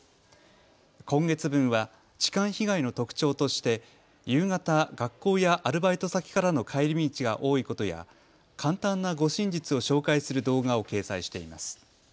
今月分は痴漢被害の特徴として夕方、学校やアルバイト先からの帰り道が多いことや簡単な護身術を紹介する動画を掲載しています。